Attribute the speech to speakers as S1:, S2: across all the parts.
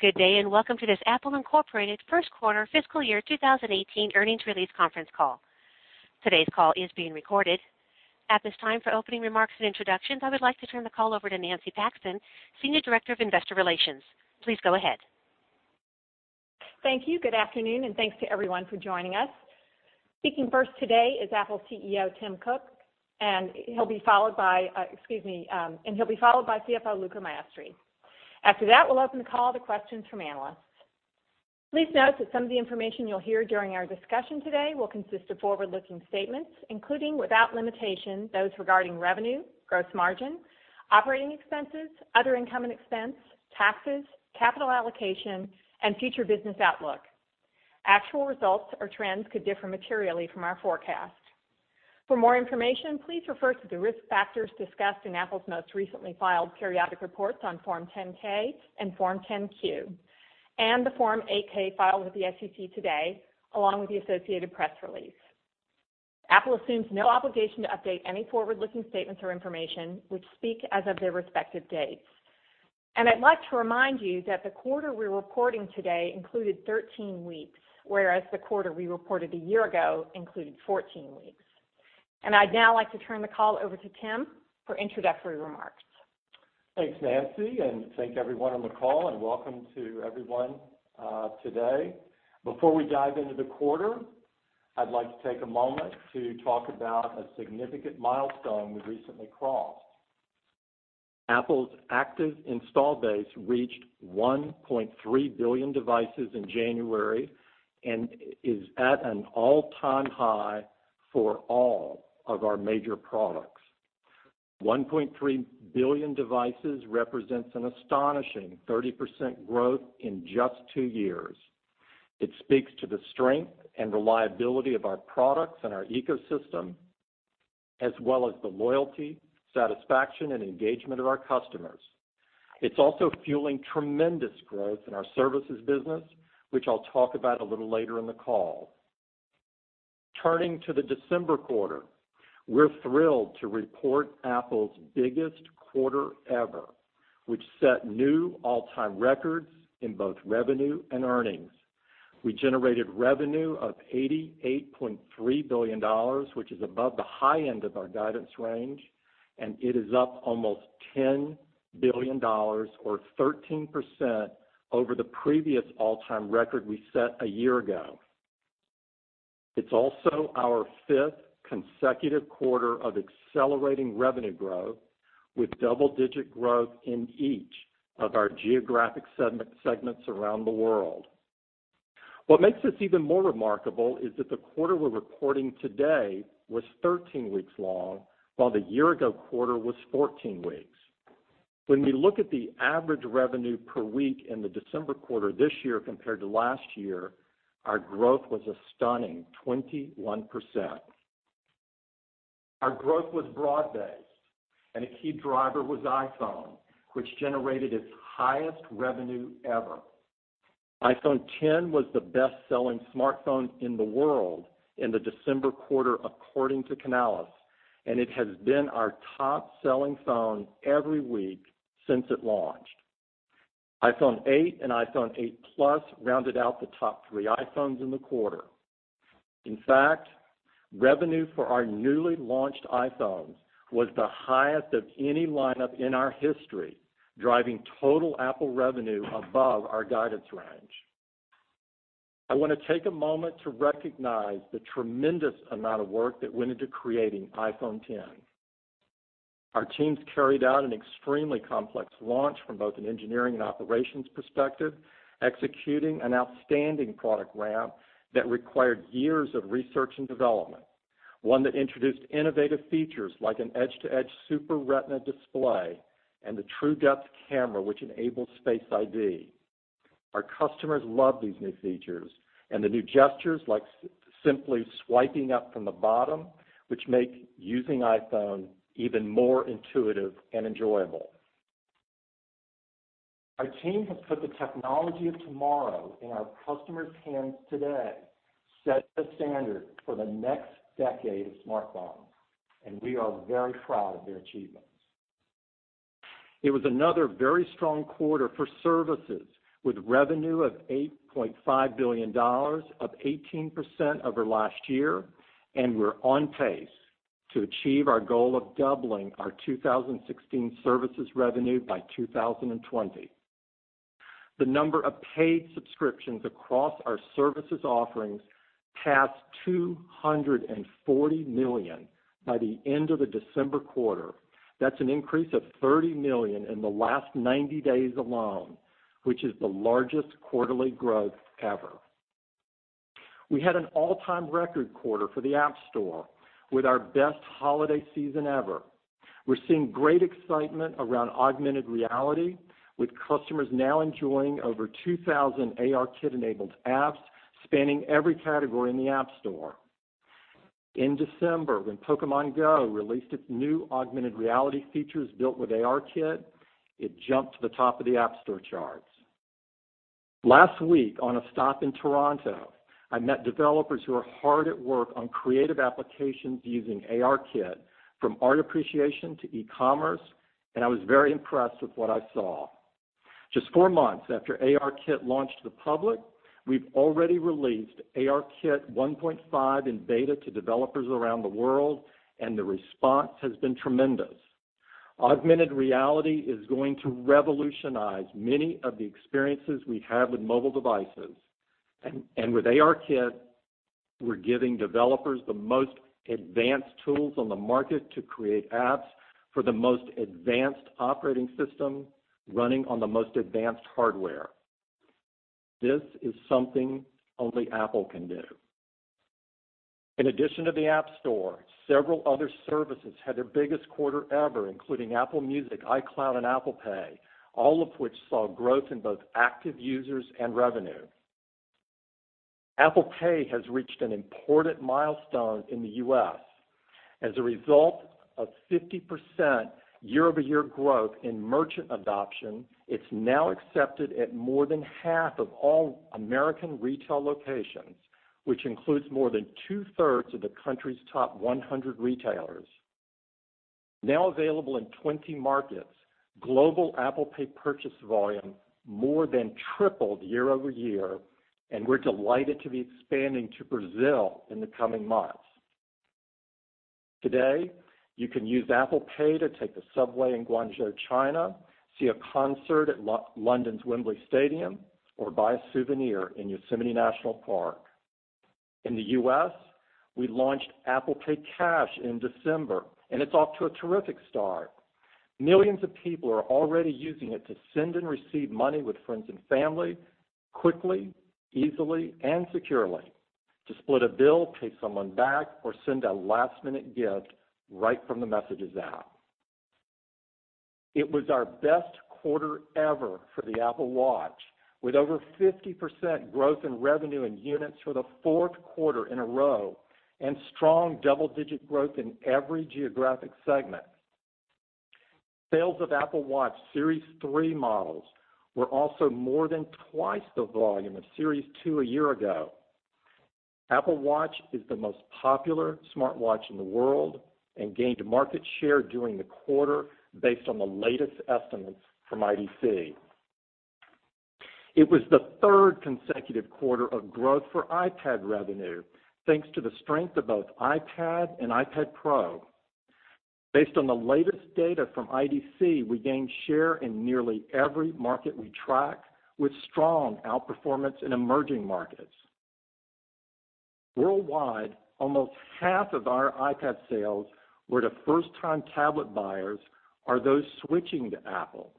S1: Good day, welcome to this Apple Inc. first quarter fiscal year 2018 earnings release conference call. Today's call is being recorded. At this time, for opening remarks and introductions, I would like to turn the call over to Nancy Paxton, Senior Director of Investor Relations. Please go ahead.
S2: Thank you. Good afternoon, thanks to everyone for joining us. Speaking first today is Apple CEO, Tim Cook, he'll be followed by CFO, Luca Maestri. After that, we'll open the call to questions from analysts. Please note that some of the information you'll hear during our discussion today will consist of forward-looking statements, including, without limitation, those regarding revenue, gross margin, operating expenses, other income and expense, taxes, capital allocation, and future business outlook. Actual results or trends could differ materially from our forecast. For more information, please refer to the risk factors discussed in Apple's most recently filed periodic reports on Form 10-K and Form 10-Q, and the Form 8-K filed with the SEC today, along with the associated press release. Apple assumes no obligation to update any forward-looking statements or information, which speak as of their respective dates. I'd like to remind you that the quarter we're reporting today included 13 weeks, whereas the quarter we reported a year ago included 14 weeks. I'd now like to turn the call over to Tim for introductory remarks.
S3: Thanks, Nancy, thank everyone on the call, welcome to everyone today. Before we dive into the quarter, I'd like to take a moment to talk about a significant milestone we recently crossed. Apple's active install base reached 1.3 billion devices in January and is at an all-time high for all of our major products. 1.3 billion devices represents an astonishing 30% growth in just two years. It speaks to the strength and reliability of our products and our ecosystem, as well as the loyalty, satisfaction, and engagement of our customers. It's also fueling tremendous growth in our services business, which I'll talk about a little later in the call. Turning to the December quarter, we're thrilled to report Apple's biggest quarter ever, which set new all-time records in both revenue and earnings. We generated revenue of $88.3 billion, which is above the high end of our guidance range. It is up almost $10 billion or 13% over the previous all-time record we set a year ago. It's also our fifth consecutive quarter of accelerating revenue growth with double-digit growth in each of our geographic segments around the world. What makes this even more remarkable is that the quarter we're reporting today was 13 weeks long, while the year-ago quarter was 14 weeks. When we look at the average revenue per week in the December quarter this year compared to last year, our growth was a stunning 21%. Our growth was broad-based, and a key driver was iPhone, which generated its highest revenue ever. iPhone X was the best-selling smartphone in the world in the December quarter, according to Canalys, and it has been our top-selling phone every week since it launched. iPhone 8 and iPhone 8 Plus rounded out the top three iPhones in the quarter. In fact, revenue for our newly launched iPhones was the highest of any lineup in our history, driving total Apple revenue above our guidance range. I want to take a moment to recognize the tremendous amount of work that went into creating iPhone X. Our teams carried out an extremely complex launch from both an engineering and operations perspective, executing an outstanding product ramp that required years of research and development. One that introduced innovative features like an edge-to-edge Super Retina display and the TrueDepth camera, which enables Face ID. Our customers love these new features and the new gestures like simply swiping up from the bottom, which make using iPhone even more intuitive and enjoyable. Our team has put the technology of tomorrow in our customers' hands today, set the standard for the next decade of smartphones. We are very proud of their achievements. It was another very strong quarter for services, with revenue of $8.5 billion, up 18% over last year. We're on pace to achieve our goal of doubling our 2016 services revenue by 2020. The number of paid subscriptions across our services offerings passed 240 million by the end of the December quarter. That's an increase of 30 million in the last 90 days alone, which is the largest quarterly growth ever. We had an all-time record quarter for the App Store, with our best holiday season ever. We're seeing great excitement around augmented reality, with customers now enjoying over 2,000 ARKit-enabled apps spanning every category in the App Store. In December, when Pokémon GO released its new augmented reality features built with ARKit, it jumped to the top of the App Store charts. Last week on a stop in Toronto, I met developers who are hard at work on creative applications using ARKit from art appreciation to e-commerce. I was very impressed with what I saw. Just four months after ARKit launched to the public, we've already released ARKit 1.5 in beta to developers around the world. The response has been tremendous. Augmented reality is going to revolutionize many of the experiences we have with mobile devices. With ARKit, we're giving developers the most advanced tools on the market to create apps for the most advanced operating system running on the most advanced hardware. This is something only Apple can do. In addition to the App Store, several other services had their biggest quarter ever, including Apple Music, iCloud, and Apple Pay, all of which saw growth in both active users and revenue. Apple Pay has reached an important milestone in the U.S. As a result of 50% year-over-year growth in merchant adoption, it's now accepted at more than half of all American retail locations, which includes more than two-thirds of the country's top 100 retailers. Now available in 20 markets, global Apple Pay purchase volume more than tripled year-over-year, and we're delighted to be expanding to Brazil in the coming months. Today, you can use Apple Pay to take the subway in Guangzhou, China, see a concert at London's Wembley Stadium, or buy a souvenir in Yosemite National Park. In the U.S., we launched Apple Pay Cash in December, and it's off to a terrific start. Millions of people are already using it to send and receive money with friends and family quickly, easily, and securely to split a bill, pay someone back, or send a last-minute gift right from the Messages app. It was our best quarter ever for the Apple Watch, with over 50% growth in revenue and units for the fourth quarter in a row and strong double-digit growth in every geographic segment. Sales of Apple Watch Series 3 models were also more than twice the volume of Series 2 a year ago. Apple Watch is the most popular smartwatch in the world and gained market share during the quarter based on the latest estimates from IDC. It was the third consecutive quarter of growth for iPad revenue, thanks to the strength of both iPad and iPad Pro. Based on the latest data from IDC, we gained share in nearly every market we track, with strong outperformance in emerging markets. Worldwide, almost half of our iPad sales were to first-time tablet buyers or those switching to Apple,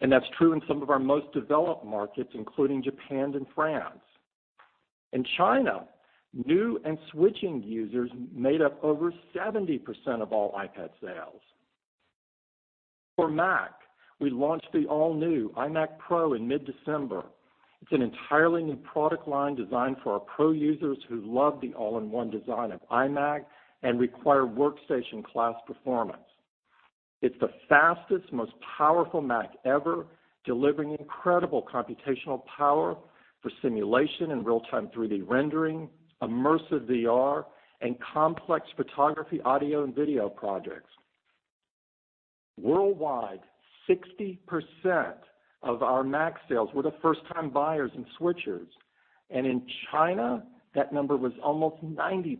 S3: and that's true in some of our most developed markets, including Japan and France. In China, new and switching users made up over 70% of all iPad sales. For Mac, we launched the all-new iMac Pro in mid-December. It's an entirely new product line designed for our pro users who love the all-in-one design of iMac and require workstation-class performance. It's the fastest, most powerful Mac ever, delivering incredible computational power for simulation and real-time 3D rendering, immersive VR, and complex photography, audio, and video projects. Worldwide, 60% of our Mac sales were to first-time buyers and switchers, and in China, that number was almost 90%.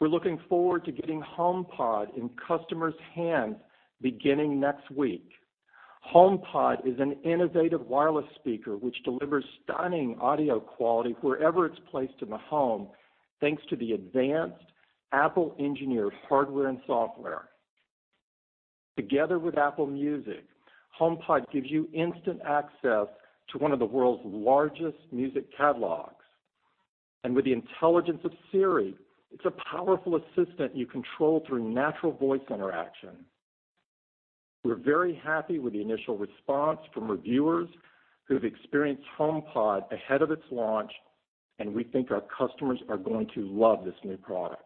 S3: We're looking forward to getting HomePod in customers' hands beginning next week. HomePod is an innovative wireless speaker which delivers stunning audio quality wherever it's placed in the home, thanks to the advanced Apple-engineered hardware and software. Together with Apple Music, HomePod gives you instant access to one of the world's largest music catalogs. With the intelligence of Siri, it's a powerful assistant you control through natural voice interaction. We're very happy with the initial response from reviewers who have experienced HomePod ahead of its launch, and we think our customers are going to love this new product.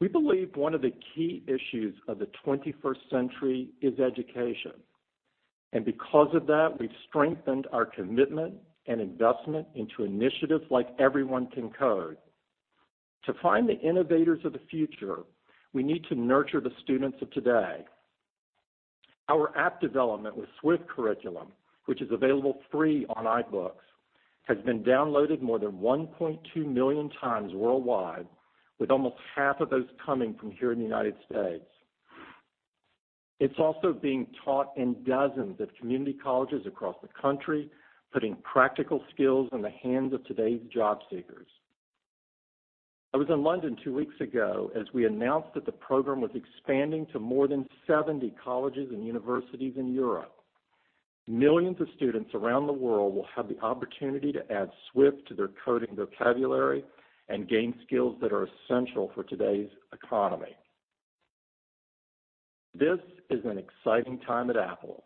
S3: We believe one of the key issues of the 21st century is education, because of that, we've strengthened our commitment and investment into initiatives like Everyone Can Code. To find the innovators of the future, we need to nurture the students of today. Our App Development with Swift Curriculum, which is available free on iBooks, has been downloaded more than 1.2 million times worldwide, with almost half of those coming from here in the U.S. It's also being taught in dozens of community colleges across the country, putting practical skills in the hands of today's job seekers. I was in London two weeks ago as we announced that the program was expanding to more than 70 colleges and universities in Europe. Millions of students around the world will have the opportunity to add Swift to their coding vocabulary and gain skills that are essential for today's economy. This is an exciting time at Apple,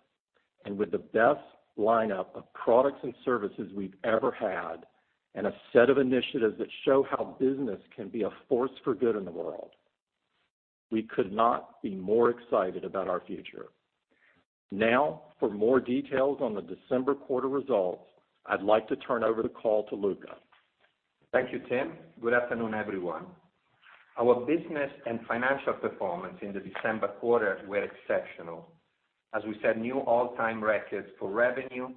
S3: with the best lineup of products and services we've ever had and a set of initiatives that show how business can be a force for good in the world. We could not be more excited about our future. Now, for more details on the December quarter results, I'd like to turn over the call to Luca.
S4: Thank you, Tim. Good afternoon, everyone. Our business and financial performance in the December quarter were exceptional, as we set new all-time records for revenue,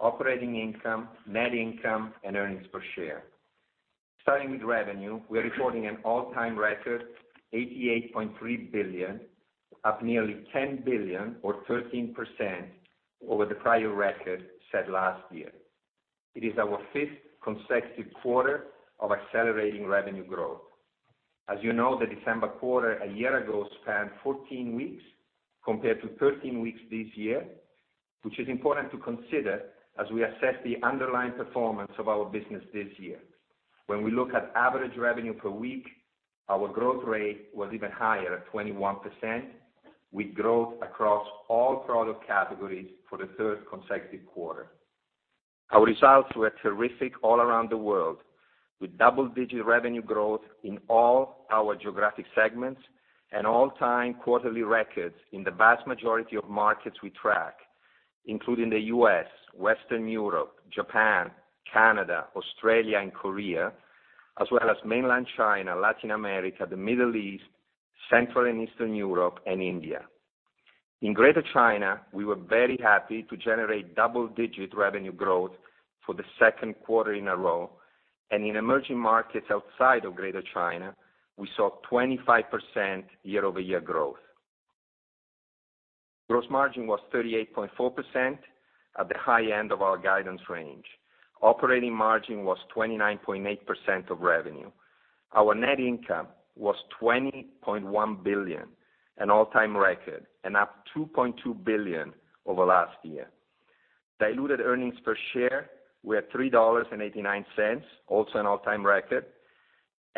S4: operating income, net income, and earnings per share. Starting with revenue, we are recording an all-time record, $88.3 billion, up nearly $10 billion or 13% over the prior record set last year. It is our fifth consecutive quarter of accelerating revenue growth. As you know, the December quarter a year ago spanned 14 weeks compared to 13 weeks this year, which is important to consider as we assess the underlying performance of our business this year. When we look at average revenue per week, our growth rate was even higher at 21%, with growth across all product categories for the third consecutive quarter. Our results were terrific all around the world, with double-digit revenue growth in all our geographic segments and all-time quarterly records in the vast majority of markets we track, including the U.S., Western Europe, Japan, Canada, Australia, and Korea, as well as Mainland China, Latin America, the Middle East, Central and Eastern Europe, and India. In Greater China, we were very happy to generate double-digit revenue growth for the second quarter in a row, and in emerging markets outside of Greater China, we saw 25% year-over-year growth. Gross margin was 38.4% at the high end of our guidance range. Operating margin was 29.8% of revenue. Our net income was $20.1 billion, an all-time record and up $2.2 billion over last year. Diluted earnings per share were $3.89, also an all-time record,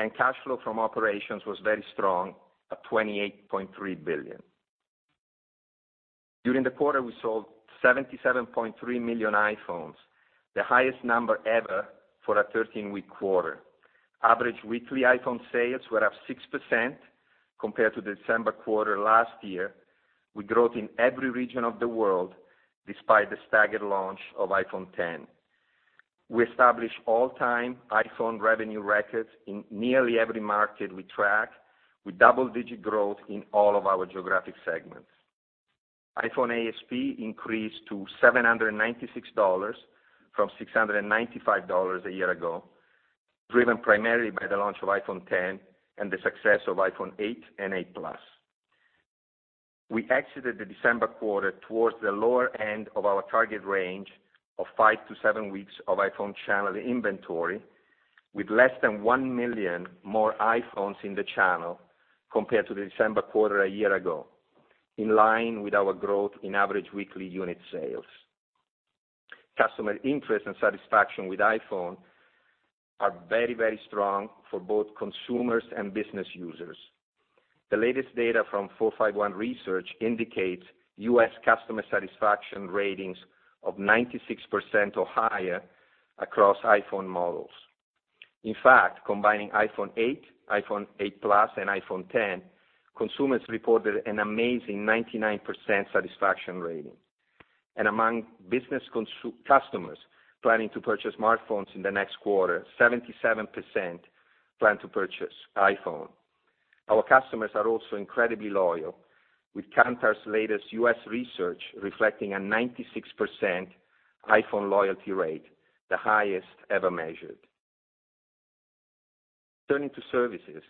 S4: and cash flow from operations was very strong at $28.3 billion. During the quarter, we sold 77.3 million iPhones, the highest number ever for a 13-week quarter. Average weekly iPhone sales were up 6% compared to the December quarter last year, with growth in every region of the world despite the staggered launch of iPhone X. We established all-time iPhone revenue records in nearly every market we track with double-digit growth in all of our geographic segments. iPhone ASP increased to $796 from $695 a year ago, driven primarily by the launch of iPhone X and the success of iPhone 8 and iPhone 8 Plus. We exited the December quarter towards the lower end of our target range of five to seven weeks of iPhone channel inventory, with less than one million more iPhones in the channel compared to the December quarter a year ago, in line with our growth in average weekly unit sales. Customer interest and satisfaction with iPhone are very, very strong for both consumers and business users. The latest data from 451 Research indicates U.S. customer satisfaction ratings of 96% or higher across iPhone models. In fact, combining iPhone 8, iPhone 8 Plus, and iPhone X, consumers reported an amazing 99% satisfaction rating. Among business customers planning to purchase smartphones in the next quarter, 77% plan to purchase iPhone. Our customers are also incredibly loyal with Kantar's latest U.S. research reflecting a 96% iPhone loyalty rate, the highest ever measured. Turning to services,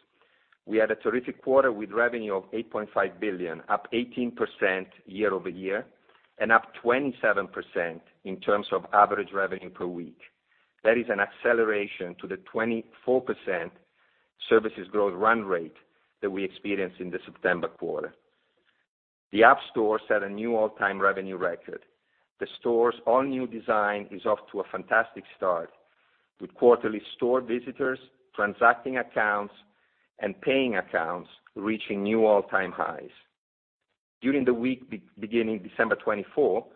S4: we had a terrific quarter with revenue of $8.5 billion, up 18% year-over-year and up 27% in terms of average revenue per week. That is an acceleration to the 24% services growth run rate that we experienced in the September quarter. The App Store set a new all-time revenue record. The store's all-new design is off to a fantastic start, with quarterly store visitors, transacting accounts, and paying accounts reaching new all-time highs. During the week beginning December 24,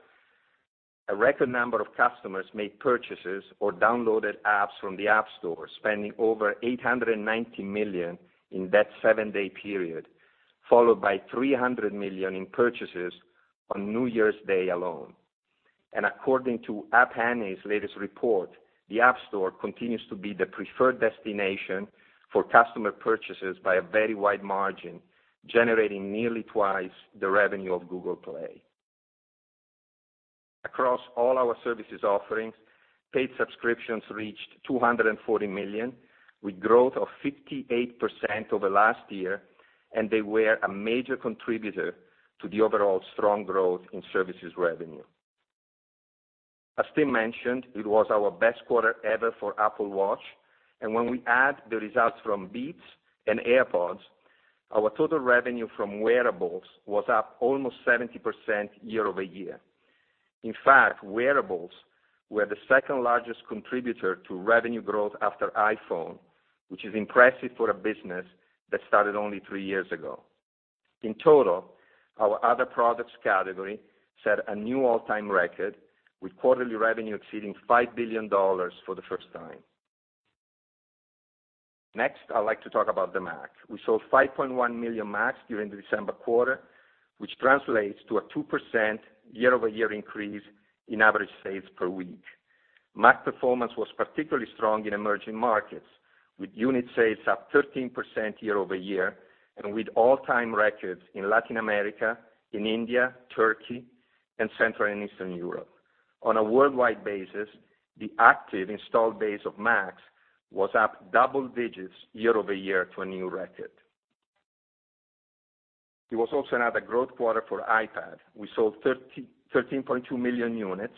S4: a record number of customers made purchases or downloaded apps from the App Store, spending over $890 million in that seven-day period, followed by $300 million in purchases on New Year's Day alone. According to App Annie's latest report, the App Store continues to be the preferred destination for customer purchases by a very wide margin, generating nearly twice the revenue of Google Play. Across all our services offerings, paid subscriptions reached 240 million, with growth of 58% over last year, and they were a major contributor to the overall strong growth in services revenue. As Tim mentioned, it was our best quarter ever for Apple Watch, and when we add the results from Beats and AirPods, our total revenue from wearables was up almost 70% year-over-year. In fact, wearables were the second-largest contributor to revenue growth after iPhone, which is impressive for a business that started only three years ago. In total, our other products category set a new all-time record, with quarterly revenue exceeding $5 billion for the first time. Next, I'd like to talk about the Mac. We sold 5.1 million Macs during the December quarter, which translates to a 2% year-over-year increase in average sales per week. Mac performance was particularly strong in emerging markets, with unit sales up 13% year-over-year and with all-time records in Latin America, in India, Turkey, and Central and Eastern Europe. On a worldwide basis, the active installed base of Macs was up double digits year-over-year to a new record. It was also another growth quarter for iPad. We sold 13.2 million units,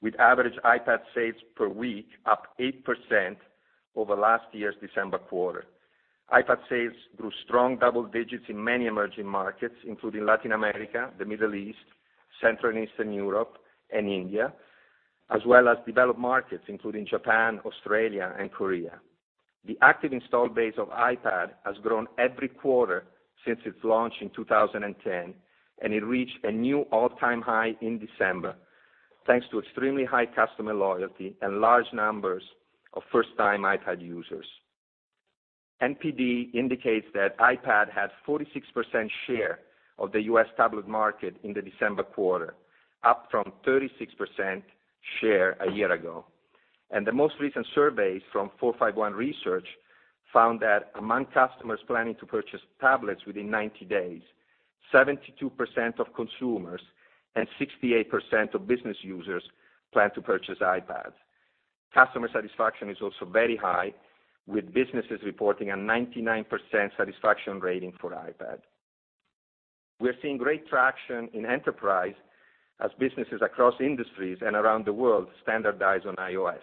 S4: with average iPad sales per week up 8% over last year's December quarter. iPad sales grew strong double digits in many emerging markets, including Latin America, the Middle East, Central and Eastern Europe, and India, as well as developed markets, including Japan, Australia, and Korea. The active installed base of iPad has grown every quarter since its launch in 2010, and it reached a new all-time high in December, thanks to extremely high customer loyalty and large numbers of first-time iPad users. NPD indicates that iPad had 46% share of the U.S. tablet market in the December quarter, up from 36% share a year ago. The most recent surveys from 451 Research found that among customers planning to purchase tablets within 90 days, 72% of consumers and 68% of business users plan to purchase iPads. Customer satisfaction is also very high, with businesses reporting a 99% satisfaction rating for iPad. We're seeing great traction in enterprise as businesses across industries and around the world standardize on iOS.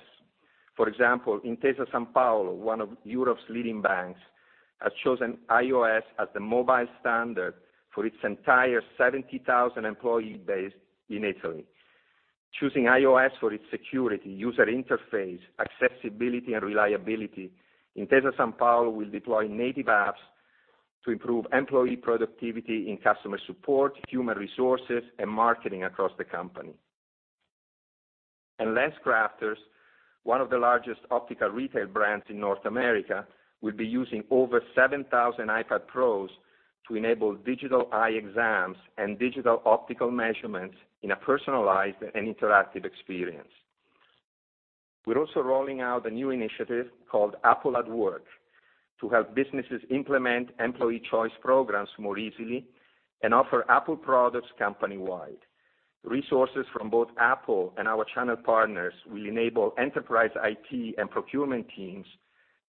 S4: For example, Intesa Sanpaolo, one of Europe's leading banks, has chosen iOS as the mobile standard for its entire 70,000-employee base in Italy. Choosing iOS for its security, user interface, accessibility, and reliability, Intesa Sanpaolo will deploy native apps to improve employee productivity in customer support, human resources, and marketing across the company. LensCrafters, one of the largest optical retail brands in North America, will be using over 7,000 iPad Pros to enable digital eye exams and digital optical measurements in a personalized and interactive experience. We're also rolling out a new initiative called Apple at Work to help businesses implement employee choice programs more easily and offer Apple products company-wide. Resources from both Apple and our channel partners will enable enterprise IT and procurement teams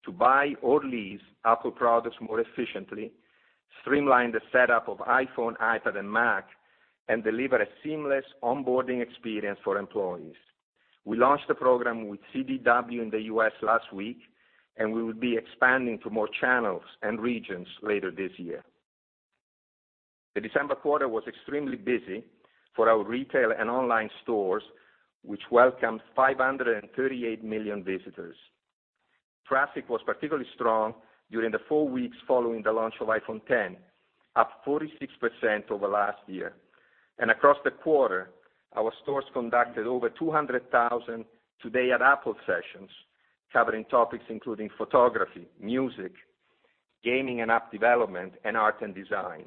S4: to buy or lease Apple products more efficiently, streamline the setup of iPhone, iPad, and Mac, and deliver a seamless onboarding experience for employees. We launched the program with CDW in the U.S. last week, and we will be expanding to more channels and regions later this year. The December quarter was extremely busy for our retail and online stores, which welcomed 538 million visitors. Traffic was particularly strong during the four weeks following the launch of iPhone X, up 46% over last year. Across the quarter, our stores conducted over 200,000 Today at Apple sessions covering topics including photography, music, gaming and app development, and art and design.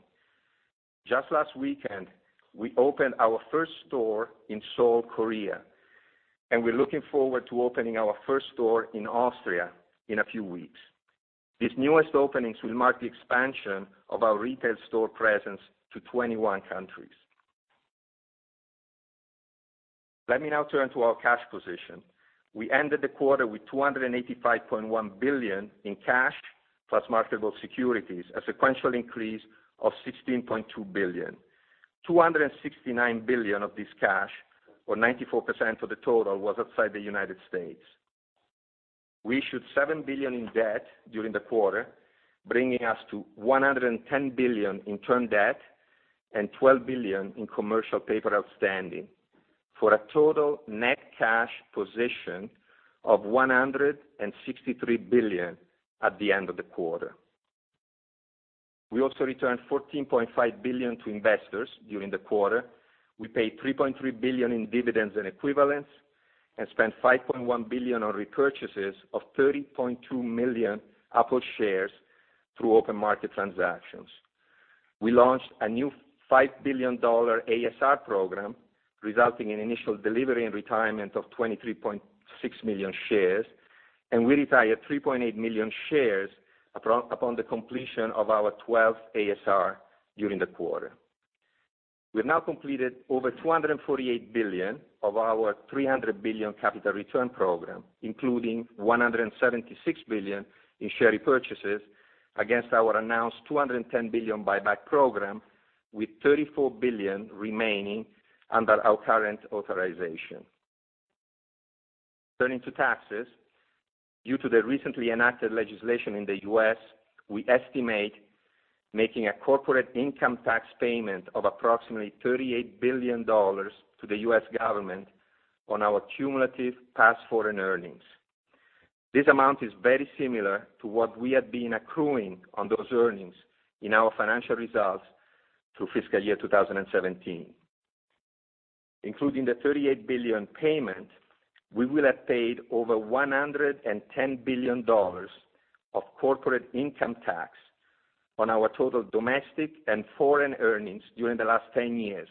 S4: Just last weekend, we opened our first store in Seoul, Korea, and we're looking forward to opening our first store in Austria in a few weeks. These newest openings will mark the expansion of our retail store presence to 21 countries. Let me now turn to our cash position. We ended the quarter with $285.1 billion in cash, plus marketable securities, a sequential increase of $16.2 billion. $269 billion of this cash, or 94% of the total, was outside the United States. We issued $7 billion in debt during the quarter, bringing us to $110 billion in term debt and $12 billion in commercial paper outstanding, for a total net cash position of $163 billion at the end of the quarter. We also returned $14.5 billion to investors during the quarter. We paid $3.3 billion in dividends and equivalents and spent $5.1 billion on repurchases of 30.2 million Apple shares through open market transactions. We launched a new $5 billion ASR program, resulting in initial delivery and retirement of 23.6 million shares, and we retired 3.8 million shares upon the completion of our 12th ASR during the quarter. We have now completed over $248 billion of our $300 billion capital return program, including $176 billion in share repurchases against our announced $210 billion buyback program, with $34 billion remaining under our current authorization. Turning to taxes, due to the recently enacted legislation in the U.S., we estimate making a corporate income tax payment of approximately $38 billion to the U.S. government on our cumulative past foreign earnings. This amount is very similar to what we had been accruing on those earnings in our financial results through fiscal year 2017. Including the $38 billion payment, we will have paid over $110 billion of corporate income tax on our total domestic and foreign earnings during the last 10 years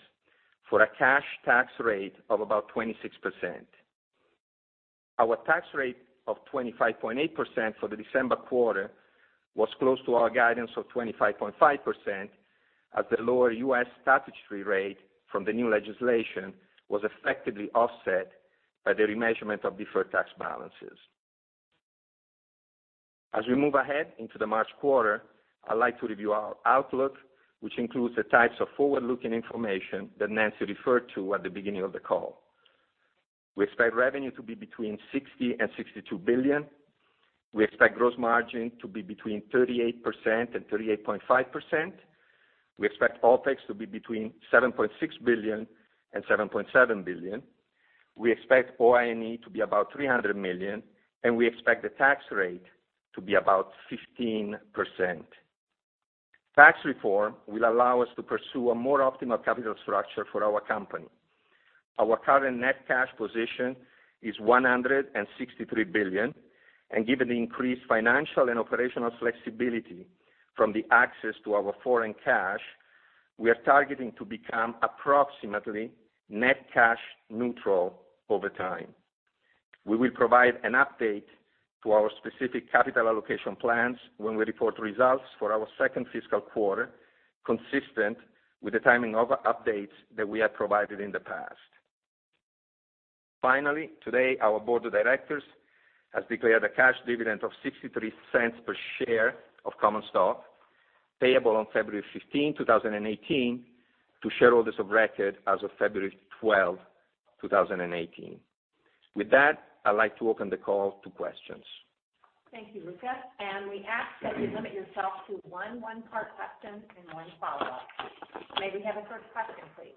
S4: for a cash tax rate of about 26%. Our tax rate of 25.8% for the December quarter was close to our guidance of 25.5% as the lower U.S. statutory rate from the new legislation was effectively offset by the remeasurement of deferred tax balances. As we move ahead into the March quarter, I'd like to review our outlook, which includes the types of forward-looking information that Nancy referred to at the beginning of the call. We expect revenue to be between $60 billion and $62 billion. We expect gross margin to be between 38% and 38.5%. We expect OpEx to be between $7.6 billion and $7.7 billion. We expect OIE to be about $300 million, and we expect the tax rate to be about 15%. Tax reform will allow us to pursue a more optimal capital structure for our company. Our current net cash position is $163 billion, and given the increased financial and operational flexibility from the access to our foreign cash, we are targeting to become approximately net cash neutral over time. We will provide an update to our specific capital allocation plans when we report results for our second fiscal quarter, consistent with the timing of updates that we have provided in the past. Finally, today, our board of directors has declared a cash dividend of $0.63 per share of common stock payable on February 15, 2018, to shareholders of record as of February 12, 2018. With that, I'd like to open the call to questions.
S2: Thank you, Luca. We ask that you limit yourself to one one-part question and one follow-up. May we have a first question, please?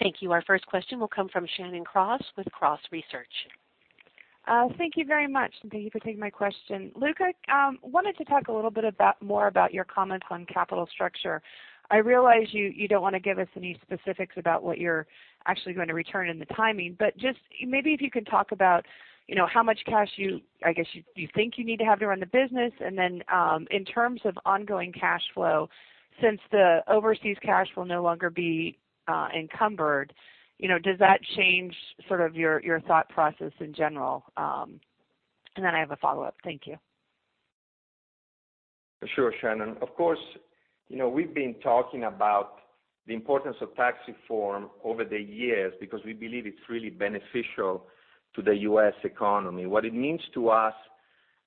S1: Thank you. Our first question will come from Shannon Cross with Cross Research.
S5: Thank you very much, and thank you for taking my question. Luca, wanted to talk a little bit about more about your comments on capital structure. I realize you don't want to give us any specifics about what you're actually going to return and the timing, but just maybe if you could talk about how much cash you think you need to have to run the business. Then, in terms of ongoing cash flow, since the overseas cash will no longer be encumbered, does that change sort of your thought process in general? Then I have a follow-up. Thank you.
S4: Sure, Shannon. Of course, we've been talking about the importance of tax reform over the years because we believe it's really beneficial to the U.S. economy. What it means to us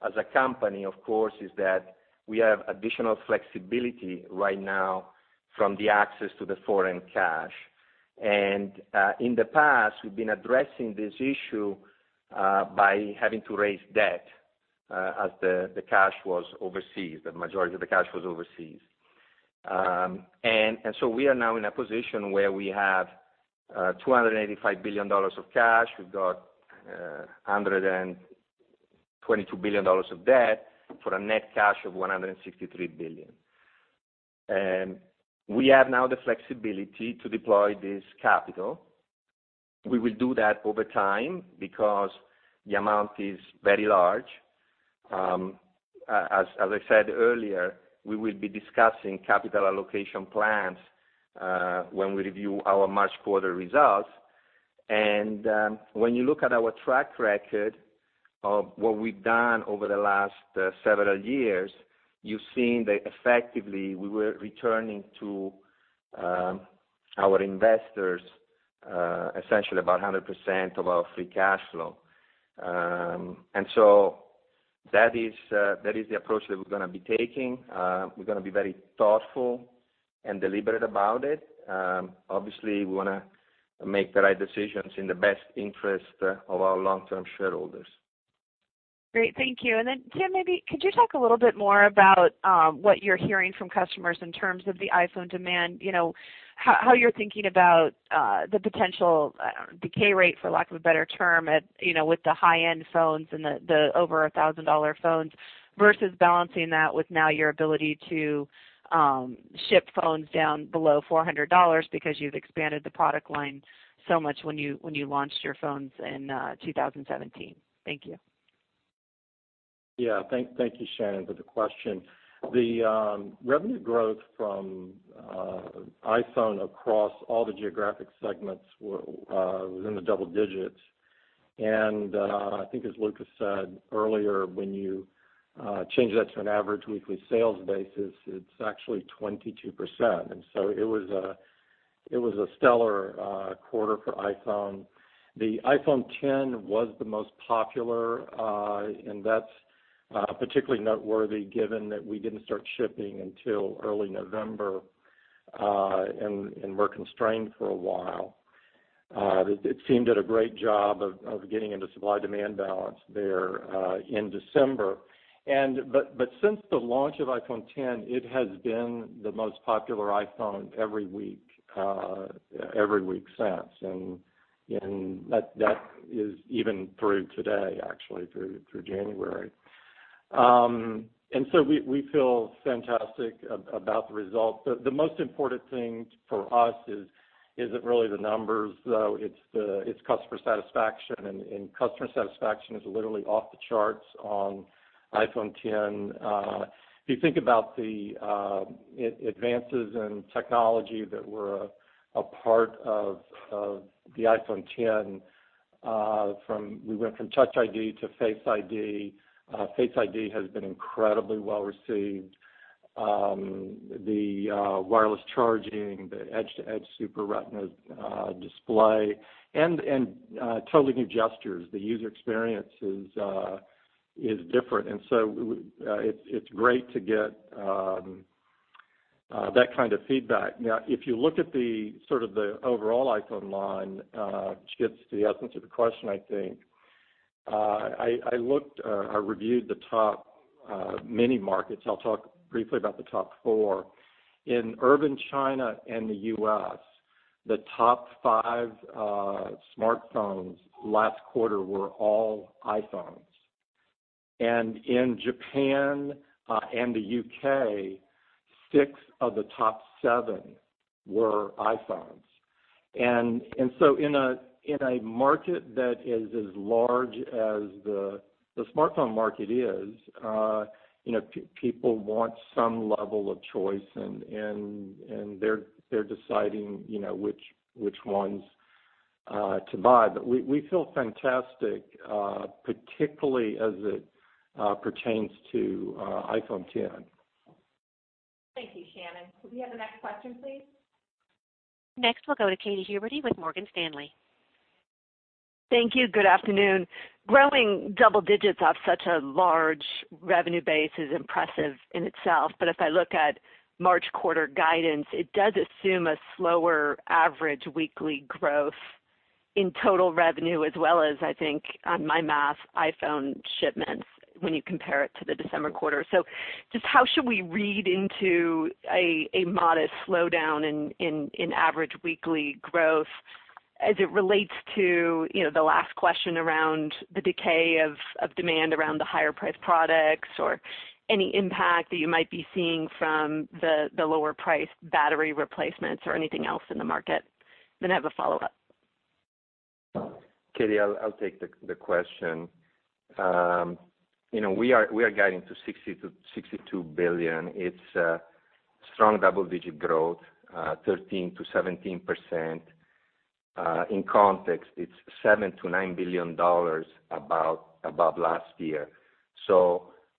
S4: as a company, of course, is that we have additional flexibility right now from the access to the foreign cash. In the past, we've been addressing this issue by having to raise debt as the cash was overseas, the majority of the cash was overseas. So we are now in a position where we have $285 billion of cash. We've got $122 billion of debt for a net cash of $163 billion. We have now the flexibility to deploy this capital. We will do that over time because the amount is very large. As I said earlier, we will be discussing capital allocation plans when we review our March quarter results. When you look at our track record of what we've done over the last several years, you've seen that effectively we were returning to our investors essentially about 100% of our free cash flow. So that is the approach that we're going to be taking. We're going to be very thoughtful and deliberate about it. Obviously, we want to make the right decisions in the best interest of our long-term shareholders.
S5: Great. Thank you. Tim, maybe could you talk a little bit more about what you're hearing from customers in terms of the iPhone demand, how you're thinking about the potential decay rate, for lack of a better term, with the high-end phones and the over $1,000 phones versus balancing that with now your ability to ship phones down below $400 because you've expanded the product line so much when you launched your phones in 2017. Thank you.
S3: Yeah. Thank you, Shannon, for the question. The revenue growth from iPhone across all the geographic segments were within the double digits. I think as Luca said earlier, when you change that to an average weekly sales basis, it's actually 22%. It was a stellar quarter for iPhone. The iPhone X was the most popular, and that's particularly noteworthy given that we didn't start shipping until early November, and were constrained for a while. The team did a great job of getting into supply-demand balance there in December. Since the launch of iPhone X, it has been the most popular iPhone every week since, and that is even through today, actually, through January. We feel fantastic about the results. The most important thing for us isn't really the numbers, though, it's customer satisfaction, and customer satisfaction is literally off the charts on iPhone X. If you think about the advances in technology that were a part of the iPhone X, we went from Touch ID to Face ID. Face ID has been incredibly well-received. The wireless charging, the edge-to-edge Super Retina display, and totally new gestures. The user experience is different, it's great to get that kind of feedback. If you look at the overall iPhone line, which gets to the essence of the question, I think. I reviewed the top many markets. I'll talk briefly about the top four. In urban China and the U.S., the top five smartphones last quarter were all iPhones. In Japan and the U.K., six of the top seven were iPhones. In a market that is as large as the smartphone market is, people want some level of choice, and they're deciding which ones to buy. We feel fantastic, particularly as it pertains to iPhone X.
S2: Thank you, Shannon. Could we have the next question, please?
S1: Next, we'll go to Katy Huberty with Morgan Stanley.
S6: Thank you. Good afternoon. Growing double digits off such a large revenue base is impressive in itself. If I look at March quarter guidance, it does assume a slower average weekly growth in total revenue, as well as, I think, on my math, iPhone shipments, when you compare it to the December quarter. Just how should we read into a modest slowdown in average weekly growth as it relates to the last question around the decay of demand around the higher priced products or any impact that you might be seeing from the lower priced battery replacements or anything else in the market? I have a follow-up.
S4: Katy, I'll take the question. We are guiding to $60 billion-$62 billion. It's strong double-digit growth, 13%-17%. In context, it's $7 billion-$9 billion above last year.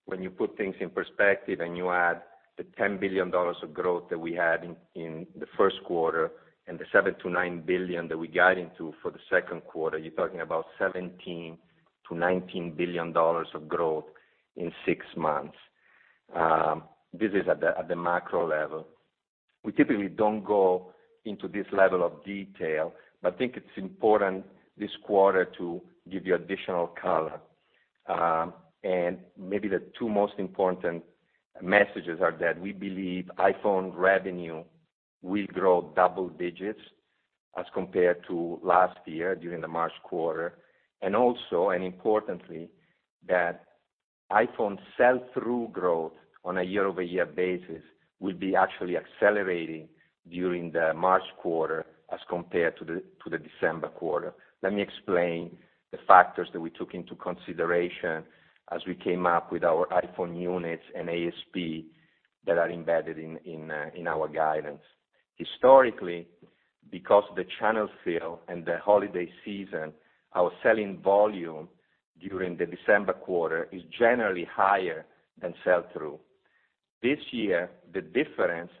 S4: When you put things in perspective and you add the $10 billion of growth that we had in the first quarter and the $7 billion-$9 billion that we're guiding to for the second quarter, you're talking about $17 billion-$19 billion of growth in six months. This is at the macro level. We typically don't go into this level of detail, I think it's important this quarter to give you additional color. Maybe the two most important messages are that we believe iPhone revenue will grow double digits as compared to last year during the March quarter. Also, and importantly, that iPhone sell-through growth on a year-over-year basis will be actually accelerating during the March quarter as compared to the December quarter. Let me explain the factors that we took into consideration as we came up with our iPhone units and ASP that are embedded in our guidance. Historically, because of the channel fill and the holiday season, our selling volume during the December quarter is generally higher than sell-through. This year, the difference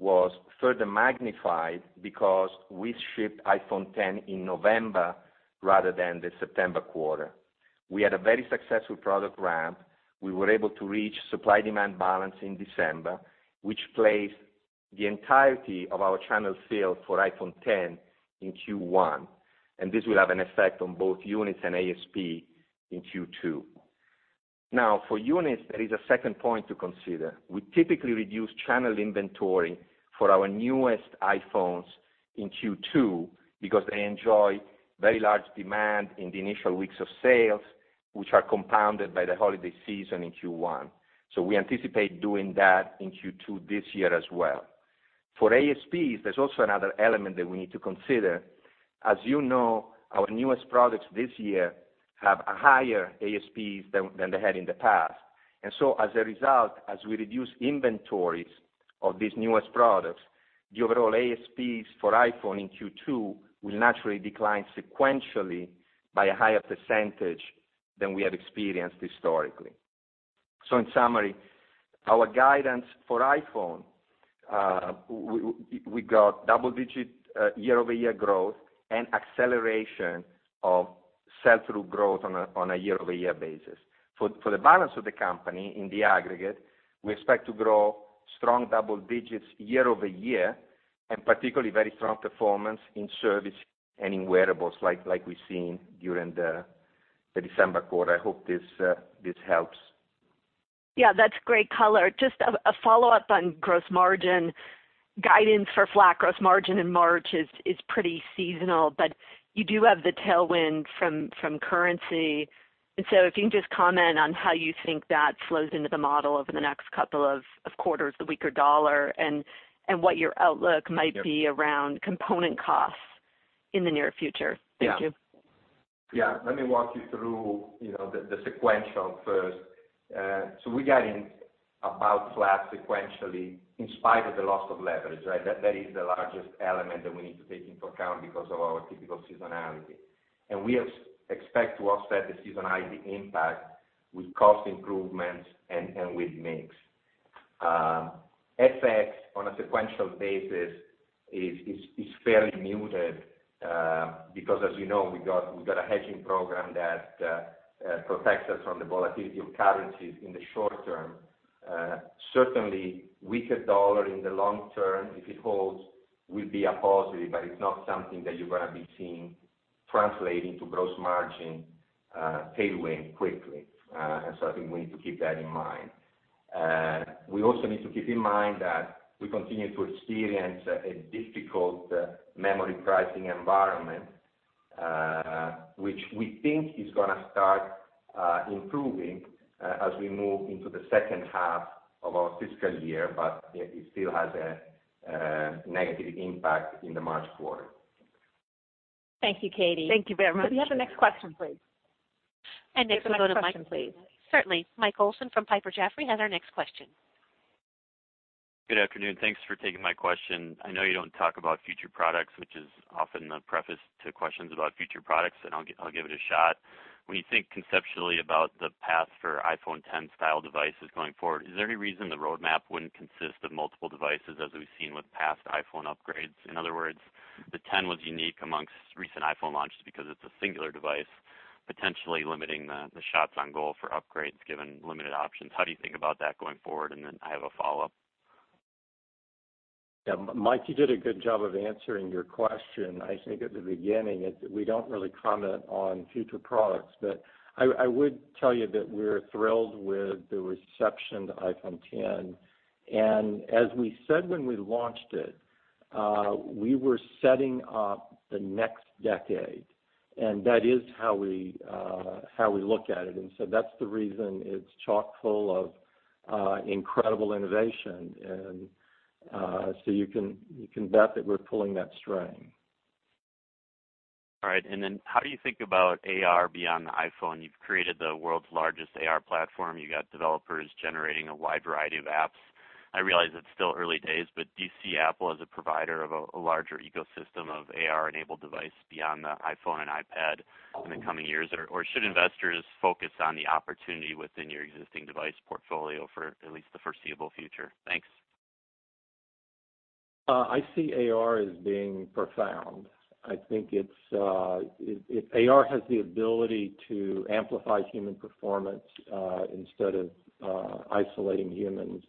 S4: was further magnified because we shipped iPhone X in November rather than the September quarter. We had a very successful product ramp. We were able to reach supply-demand balance in December, which placed the entirety of our channel fill for iPhone X in Q1, and this will have an effect on both units and ASP in Q2. For units, there is a second point to consider. We typically reduce channel inventory for our newest iPhones in Q2 because they enjoy very large demand in the initial weeks of sales, which are compounded by the holiday season in Q1. We anticipate doing that in Q2 this year as well. For ASPs, there is also another element that we need to consider. As you know, our newest products this year have a higher ASPs than they had in the past. As a result, as we reduce inventories of these newest products, the overall ASPs for iPhone in Q2 will naturally decline sequentially by a higher percentage than we have experienced historically. In summary, our guidance for iPhone, we got double-digit year-over-year growth and acceleration of sell-through growth on a year-over-year basis. For the balance of the company in the aggregate, we expect to grow strong double-digits year-over-year and particularly very strong performance in service and in wearables like we have seen during the December quarter. I hope this helps.
S6: Yeah, that is great color. Just a follow-up on gross margin. Guidance for flat gross margin in March is pretty seasonal, but you do have the tailwind from currency. If you can just comment on how you think that flows into the model over the next couple of quarters, the weaker dollar, and what your outlook might be around component costs in the near future. Thank you.
S4: Yeah. Let me walk you through the sequential first. We got in about flat sequentially in spite of the loss of leverage, right? That is the largest element that we need to take into account because of our typical seasonality. We expect to offset the seasonality impact with cost improvements and with mix. FX on a sequential basis is fairly muted, because as you know, we've got a hedging program that protects us from the volatility of currencies in the short term. Certainly weaker dollar in the long term, if it holds, will be a positive, but it's not something that you're going to be seeing translating to gross margin tailwind quickly. I think we need to keep that in mind. We also need to keep in mind that we continue to experience a difficult memory pricing environment, which we think is going to start improving, as we move into the second half of our fiscal year, but it still has a negative impact in the March quarter.
S2: Thank you, Katy. Thank you very much. Could we have the next question, please?
S1: Next we'll go to Mike-
S2: Next question, please.
S1: Certainly. Mike Olson from Piper Jaffray has our next question.
S7: Good afternoon. Thanks for taking my question. I know you don't talk about future products, which is often the preface to questions about future products. I'll give it a shot. When you think conceptually about the path for iPhone X style devices going forward, is there any reason the roadmap wouldn't consist of multiple devices as we've seen with past iPhone upgrades? In other words, the iPhone X was unique amongst recent iPhone launches because it's a singular device, potentially limiting the shots on goal for upgrades given limited options. How do you think about that going forward? I have a follow-up.
S3: Yeah, Mike, you did a good job of answering your question, I think at the beginning. We don't really comment on future products. I would tell you that we're thrilled with the reception to iPhone X. As we said when we launched it, we were setting up the next decade. That is how we look at it. That's the reason it's chock-full of incredible innovation. You can bet that we're pulling that string.
S7: All right. How do you think about AR beyond the iPhone? You've created the world's largest AR platform. You got developers generating a wide variety of apps. I realize it's still early days. Do you see Apple as a provider of a larger ecosystem of AR-enabled device beyond the iPhone and iPad in the coming years? Or should investors focus on the opportunity within your existing device portfolio for at least the foreseeable future? Thanks.
S3: I see AR as being profound. I think AR has the ability to amplify human performance, instead of isolating humans.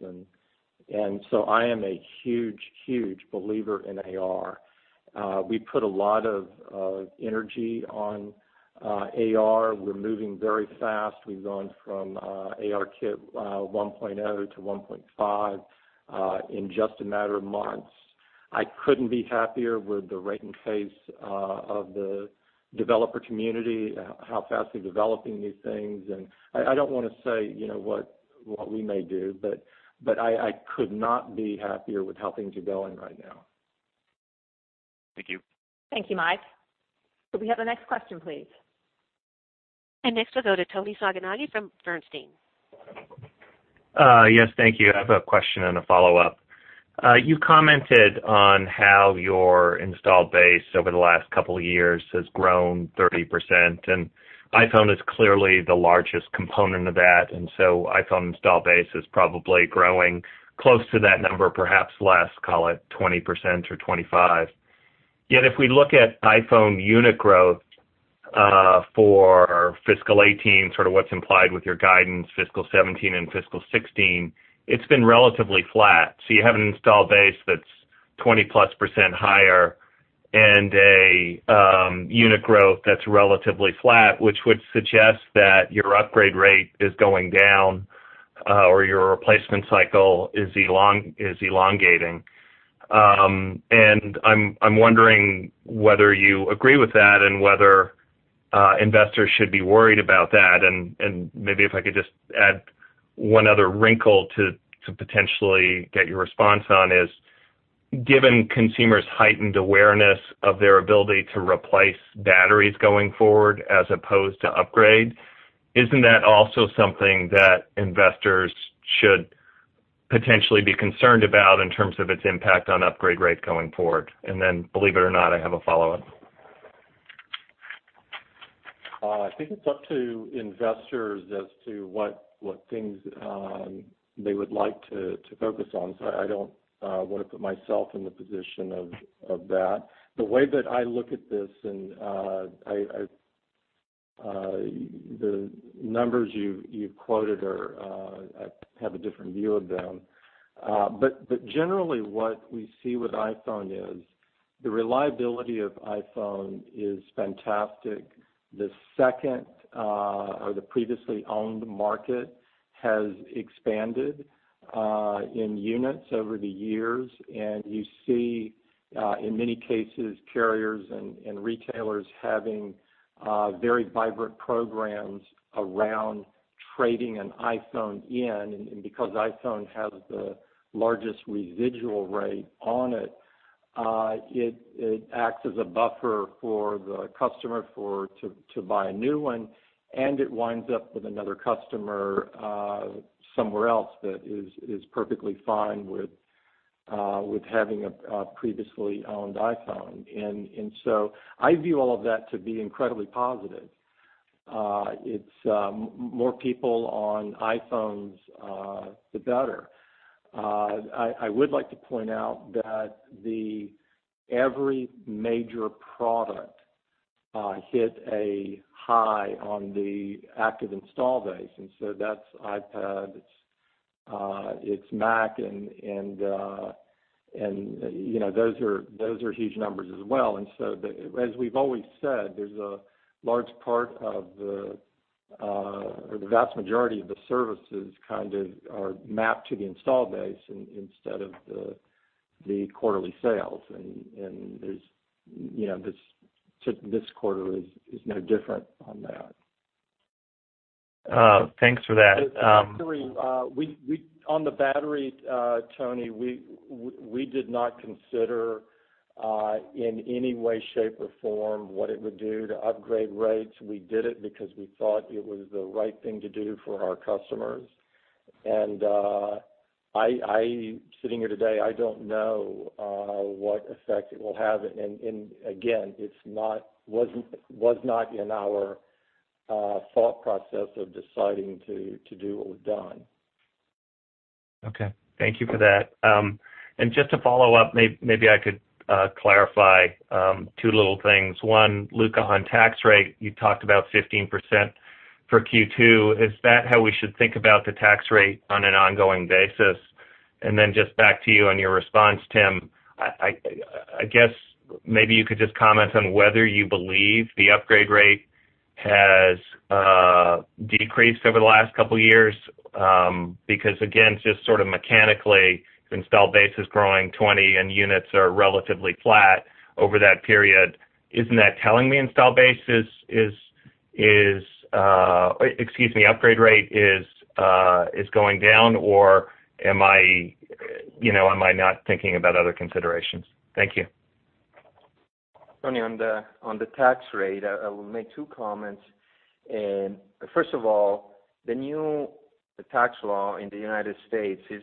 S3: I am a huge believer in AR. We put a lot of energy on AR. We're moving very fast. We've gone from ARKit 1.0 to 1.5 in just a matter of months. I couldn't be happier with the rate and pace of the developer community, how fast they're developing these things. I don't want to say what we may do. I could not be happier with how things are going right now.
S2: Thank you. Thank you, Mike. Could we have the next question, please?
S1: Next we'll go to Toni Sacconaghi from Bernstein.
S8: Yes. Thank you. I have a question and a follow-up. You commented on how your install base over the last couple of years has grown 30%, iPhone is clearly the largest component of that, iPhone install base is probably growing close to that number, perhaps less, call it 20% or 25. Yet, if we look at iPhone unit growth, for fiscal 2018, sort of what's implied with your guidance, fiscal 2017 and fiscal 2016, it's been relatively flat. You have an install base that's 20-plus % higher and a unit growth that's relatively flat, which would suggest that your upgrade rate is going down, or your replacement cycle is elongating. I'm wondering whether you agree with that and whether investors should be worried about that. Maybe if I could just add one other wrinkle to potentially get your response on is, given consumers' heightened awareness of their ability to replace batteries going forward as opposed to upgrade, isn't that also something that investors should potentially be concerned about in terms of its impact on upgrade rate going forward? Believe it or not, I have a follow-up.
S3: I think it's up to investors as to what things they would like to focus on. I don't want to put myself in the position of that. The way that I look at this, and the numbers you quoted, I have a different view of them. Generally what we see with iPhone is the reliability of iPhone is fantastic. The second, or the previously owned market, has expanded in units over the years, and you see, in many cases, carriers and retailers having very vibrant programs around trading an iPhone in. Because iPhone has the largest residual rate on it acts as a buffer for the customer to buy a new one, and it winds up with another customer somewhere else that is perfectly fine with having a previously owned iPhone. I view all of that to be incredibly positive. It's more people on iPhones, the better. I would like to point out that every major product hit a high on the active install base. That's iPad, it's Mac, and those are huge numbers as well. As we've always said, there's a large part of the, or the vast majority of the services kind of are mapped to the install base instead of the quarterly sales. This quarter is no different on that.
S8: Thanks for that.
S3: The battery, on the battery, Toni, we did not consider in any way, shape, or form what it would do to upgrade rates. We did it because we thought it was the right thing to do for our customers. I, sitting here today, I don't know what effect it will have. Again, it was not in our thought process of deciding to do what was done.
S8: Okay. Thank you for that. Just to follow up, maybe I could clarify two little things. One, Luca, on tax rate, you talked about 15% for Q2. Is that how we should think about the tax rate on an ongoing basis? Then just back to you on your response, Tim, I guess maybe you could just comment on whether you believe the upgrade rate has decreased over the last couple of years. Again, just sort of mechanically, install base is growing 20% and units are relatively flat over that period. Isn't that telling me install base is, excuse me, upgrade rate is going down or am I not thinking about other considerations? Thank you.
S4: Toni, on the tax rate, I will make two comments. First of all, the new tax law in the U.S.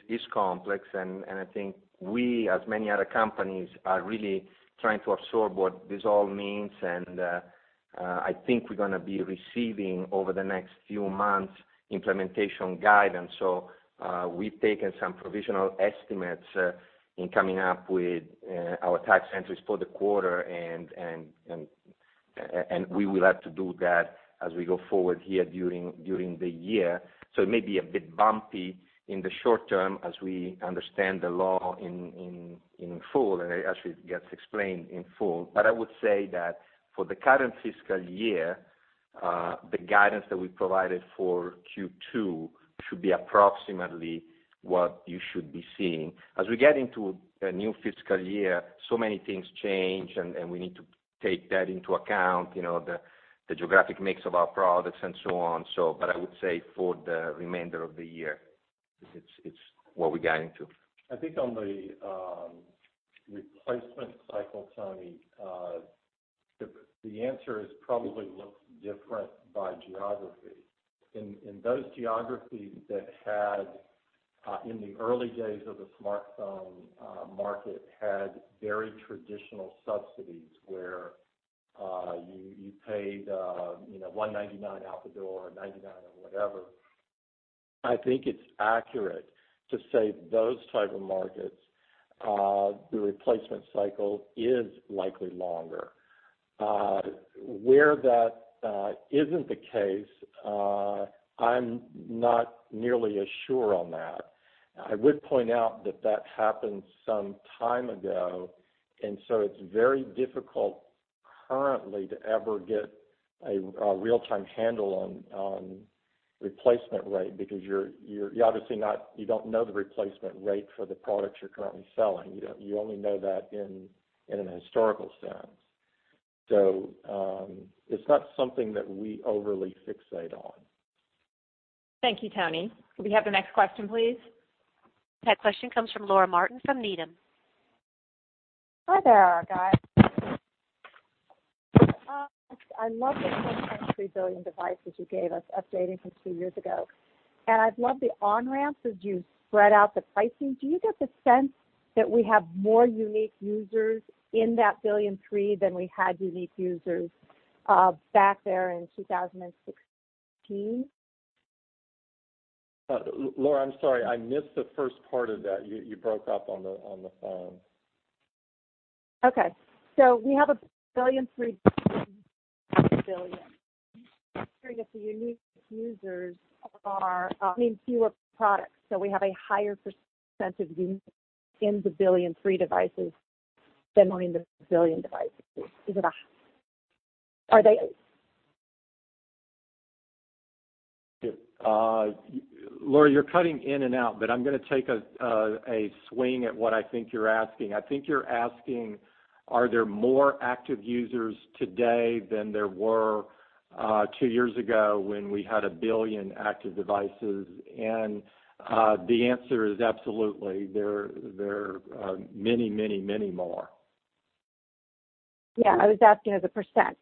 S4: is complex, I think we, as many other companies, are really trying to absorb what this all means. I think we're going to be receiving, over the next few months, implementation guidance. We've taken some provisional estimates in coming up with our tax entries for the quarter, and we will have to do that as we go forward here during the year. It may be a bit bumpy in the short term as we understand the law in full, and as it gets explained in full. I would say that for the current fiscal year, the guidance that we provided for Q2 should be approximately what you should be seeing. As we get into a new fiscal year, so many things change, we need to take that into account, the geographic mix of our products and so on. I would say for the remainder of the year, it's what we're guiding to.
S3: I think on the replacement cycle, Toni, the answer is probably looks different by geography. In those geographies that had, in the early days of the smartphone market, had very traditional subsidies where you paid $199 out the door or $99 or whatever, I think it's accurate to say those type of markets, the replacement cycle is likely longer. Where that isn't the case, I'm not nearly as sure on that. I would point out that that happened some time ago, it's very difficult currently to ever get a real-time handle on replacement rate because you obviously don't know the replacement rate for the products you're currently selling. You only know that in an historical sense. It's not something that we overly fixate on.
S2: Thank you, Toni. Could we have the next question, please?
S1: That question comes from Laura Martin from Needham.
S9: Hi there, guys. I love the claim of 1.3 billion devices you gave us, updated from two years ago, I love the on-ramp as you spread out the pricing. Do you get the sense that we have more unique users in that billion three than we had unique users back there in 2016?
S3: Laura, I'm sorry, I missed the first part of that. You broke up on the phone.
S9: Okay. We have 1.3 billion. I'm curious if the unique users are fewer products, we have a higher percentage of unique in the billion three devices than in the 1 billion devices. Are they?
S3: Yeah. Laura, you're cutting in and out, I'm going to take a swing at what I think you're asking. I think you're asking, are there more active users today than there were 2 years ago when we had 1 billion active devices? The answer is absolutely. There are many, many, many more.
S9: Yeah. I was asking as a percent.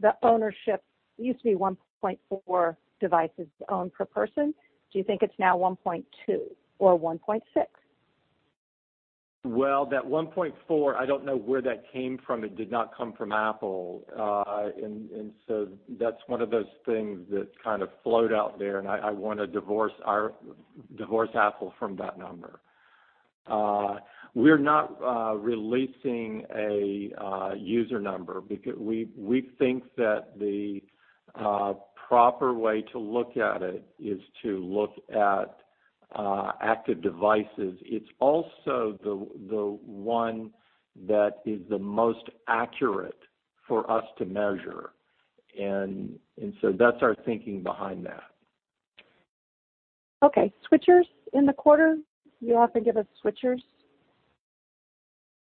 S9: The ownership used to be 1.4 devices owned per person. Do you think it's now 1.2 or 1.6?
S3: Well, that 1.4, I don't know where that came from. It did not come from Apple. That's one of those things that kind of float out there, and I want to divorce Apple from that number. We're not releasing a user number because we think that the proper way to look at it is to look at active devices. It's also the one that is the most accurate for us to measure. That's our thinking behind that.
S9: Okay. Switchers in the quarter? Do you often get switchers?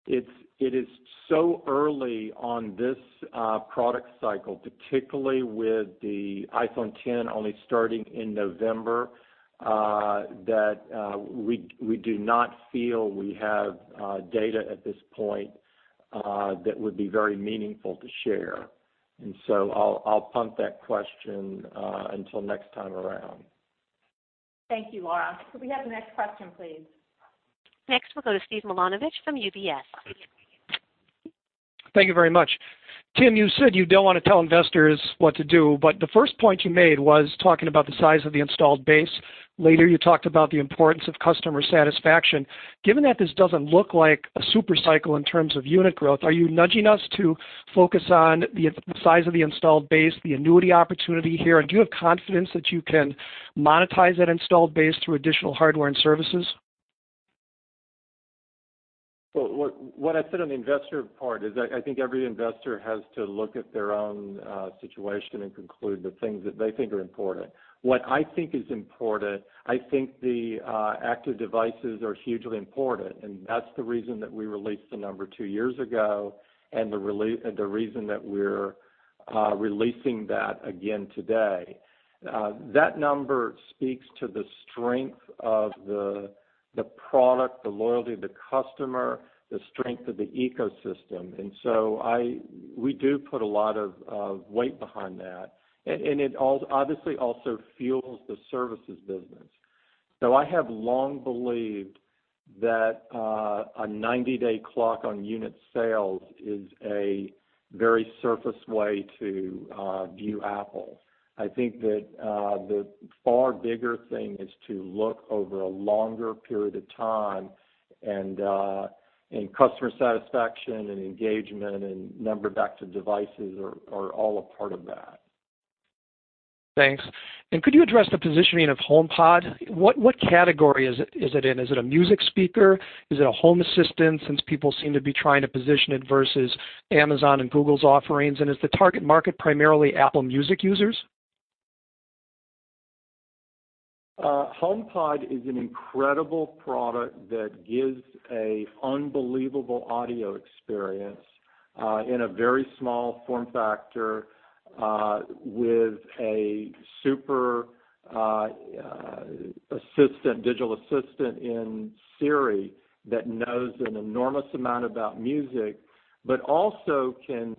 S3: It is so early on this product cycle, particularly with the iPhone X only starting in November, that we do not feel we have data at this point that would be very meaningful to share. I'll pump that question until next time around.
S2: Thank you, Laura. Could we have the next question, please?
S1: Next, we'll go to Steve Milunovich from UBS.
S10: Thank you very much. Tim, you said you don't want to tell investors what to do. The first point you made was talking about the size of the installed base. Later, you talked about the importance of customer satisfaction. Given that this doesn't look like a super cycle in terms of unit growth, are you nudging us to focus on the size of the installed base, the annuity opportunity here, and do you have confidence that you can monetize that installed base through additional hardware and services?
S3: Well, what I said on the investor part is I think every investor has to look at their own situation and conclude the things that they think are important. What I think is important, I think the active devices are hugely important, and that's the reason that we released the number two years ago and the reason that we're releasing that again today. That number speaks to the strength of the product, the loyalty of the customer, the strength of the ecosystem. We do put a lot of weight behind that. It obviously also fuels the services business. I have long believed that a 90-day clock on unit sales is a very surface way to view Apple. I think that the far bigger thing is to look over a longer period of time. Customer satisfaction and engagement and number of active devices are all a part of that.
S10: Thanks. Could you address the positioning of HomePod? What category is it in? Is it a music speaker? Is it a home assistant, since people seem to be trying to position it versus Amazon and Google's offerings? Is the target market primarily Apple Music users?
S3: HomePod is an incredible product that gives a unbelievable audio experience, in a very small form factor, with a super digital assistant in Siri that knows an enormous amount about music, but also can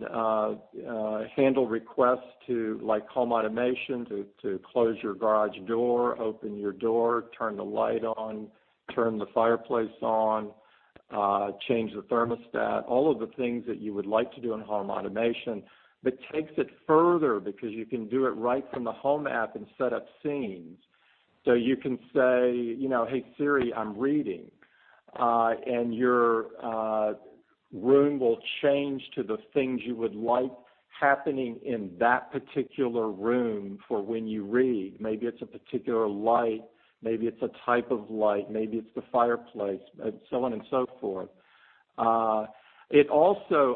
S3: handle requests to like home automation to close your garage door, open your door, turn the light on, turn the fireplace on, change the thermostat, all of the things that you would like to do in home automation. Takes it further because you can do it right from the Home app and set up scenes. You can say, "Hey, Siri, I'm reading," and your room will change to the things you would like happening in that particular room for when you read. Maybe it's a particular light, maybe it's a type of light, maybe it's the fireplace, and so on and so forth.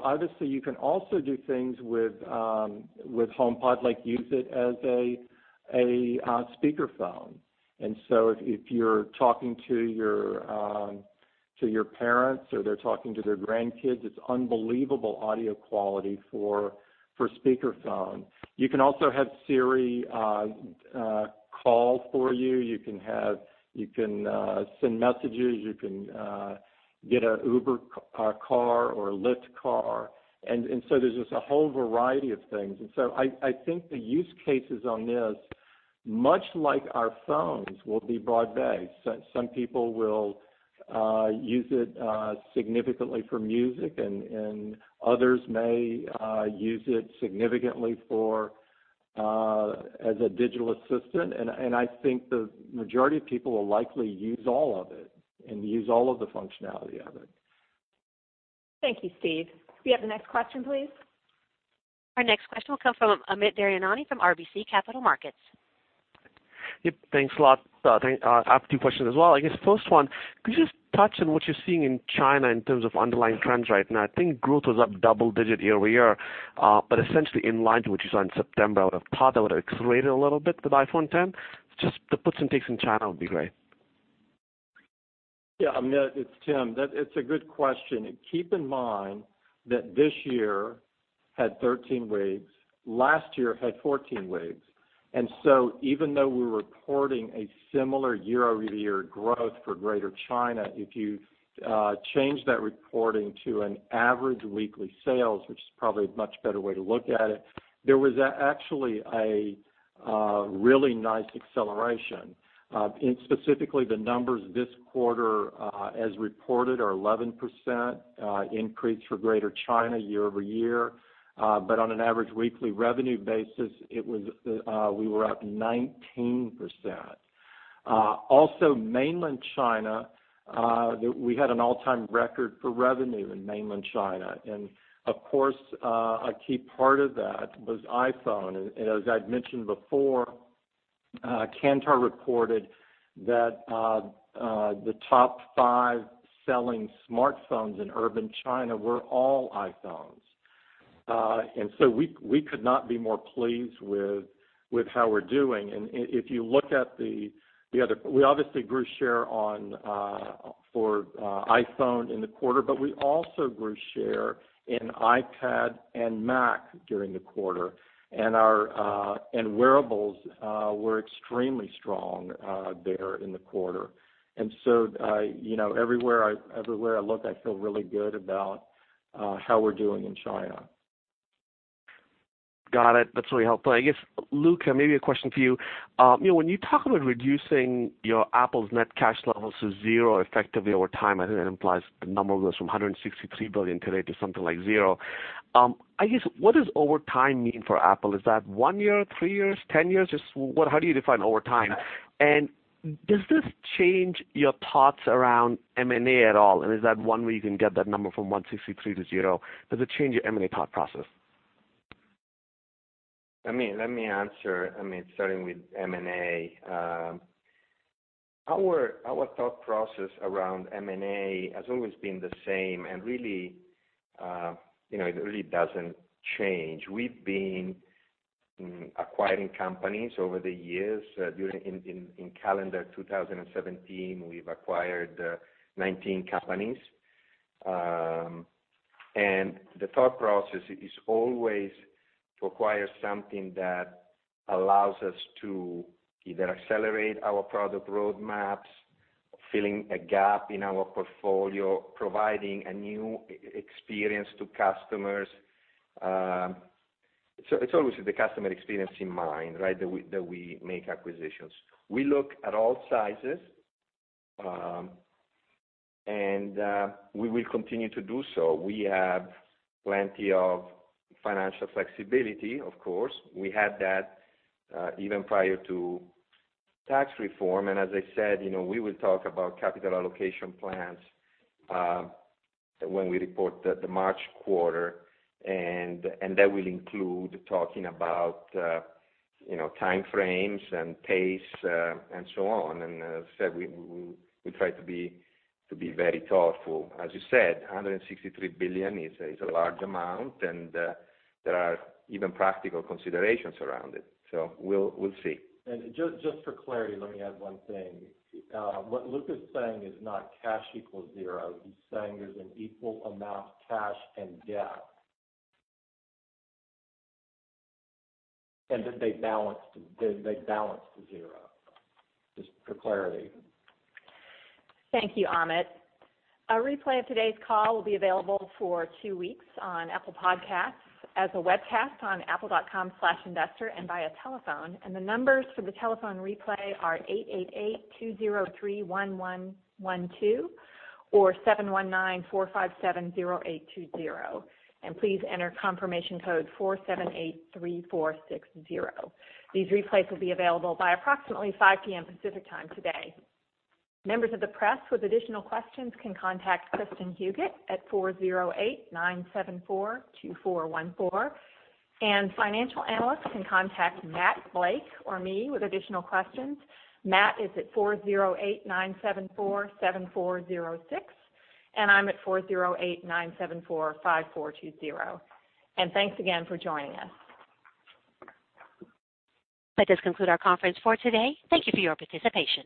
S3: Obviously, you can also do things with HomePod, like use it as a speakerphone. If you're talking to your parents or they're talking to their grandkids, it's unbelievable audio quality for speakerphone. You can also have Siri call for you. You can send Messages. You can get an Uber car or a Lyft car. There's just a whole variety of things. I think the use cases on this, much like our phones, will be broad-based. Some people will use it significantly for music, and others may use it significantly as a digital assistant. I think the majority of people will likely use all of it and use all of the functionality of it.
S2: Thank you, Steve. Can we have the next question please?
S1: Our next question will come from Amit Daryanani from RBC Capital Markets.
S11: Yep, thanks a lot. I have two questions as well. I guess first one, could you just touch on what you're seeing in China in terms of underlying trends right now? I think growth was up double-digit year-over-year, but essentially in line to what you saw in September out of China, would have accelerated a little bit with iPhone X. Just the puts and takes in China would be great.
S3: Yeah, Amit, it's Tim. It's a good question. Keep in mind that this year had 13 weeks, last year had 14 weeks. Even though we're reporting a similar year-over-year growth for Greater China, if you change that reporting to an average weekly sales, which is probably a much better way to look at it, there was actually a really nice acceleration. Specifically, the numbers this quarter, as reported, are an 11% increase for Greater China year-over-year. On an average weekly revenue basis, we were up 19%. Also Mainland China, we had an all-time record for revenue in Mainland China, and of course, a key part of that was iPhone. As I'd mentioned before, Kantar reported that the top five selling smartphones in urban China were all iPhones. We could not be more pleased with how we're doing. If you look at, we obviously grew share for iPhone in the quarter, but we also grew share in iPad and Mac during the quarter, and wearables were extremely strong there in the quarter. Everywhere I look, I feel really good about how we're doing in China.
S11: Got it. That's really helpful. I guess, Luca, maybe a question for you. When you talk about reducing your Apple's net cash levels to zero effectively over time, I think that implies the number goes from $163 billion today to something like zero. I guess, what does over time mean for Apple? Is that one year, three years, 10 years? Just how do you define over time? Does this change your thoughts around M&A at all? Is that one way you can get that number from $163 billion to zero? Does it change your M&A thought process?
S4: Let me answer, Amit, starting with M&A. Our thought process around M&A has always been the same and really it really doesn't change. We've been acquiring companies over the years. During in calendar 2017, we've acquired 19 companies. The thought process is always to acquire something that allows us to either accelerate our product roadmaps, filling a gap in our portfolio, providing a new experience to customers. It's always with the customer experience in mind, right, that we make acquisitions. We look at all sizes, and we will continue to do so. We have plenty of financial flexibility, of course. We had that even prior to tax reform, as I said, we will talk about capital allocation plans when we report the March quarter, and that will include talking about time frames and pace, and so on. As I said, we try to be very thoughtful. As you said, $163 billion is a large amount. There are even practical considerations around it. We'll see.
S3: Just for clarity, let me add one thing. What Luca's saying is not cash equals zero. He's saying there's an equal amount of cash and debt, that they balance to zero. Just for clarity.
S2: Thank you, Amit. A replay of today's call will be available for two weeks on Apple Podcasts, as a webcast on apple.com/investor and via telephone. The numbers for the telephone replay are 888-203-1112 or 719-457-0820. Please enter confirmation code 4783460. These replays will be available by approximately 5:00 P.M. Pacific Time today. Members of the press with additional questions can contact Kristin Huguet at 408-974-2414, and financial analysts can contact Matt Blake or me with additional questions. Matt is at 408-974-7406, and I'm at 408-974-5420. Thanks again for joining us.
S1: That does conclude our conference for today. Thank you for your participation.